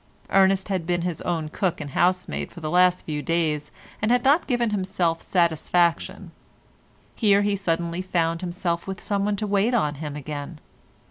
Ernest had been his own cook and housemaid for the last few days and had not given himself satisfaction. Here he suddenly found himself with someone to wait on him again.